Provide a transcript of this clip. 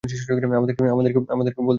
আমাদেরকে বলতে পারবেন সেটা?